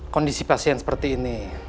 kondisi pasien seperti ini